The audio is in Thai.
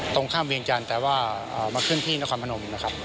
ตรงข้ามเวียงจันทร์แต่ว่ามาขึ้นที่นครพนมนะครับ